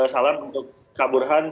salam untuk kak burhan